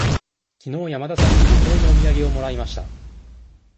きのう山田さんに旅行のお土産をもらいました。